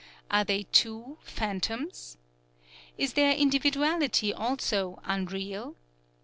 Are they, too, phantoms? is their individuality also unreal?